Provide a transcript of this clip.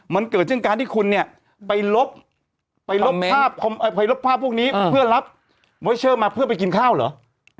มันเกิดจึงการที่คุณไปลบภาพพวกนี้เพื่อรับเวอร์เชอร์มาเพื่อไปกินข้าวหรือ